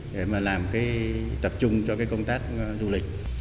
để tập trung cho công tác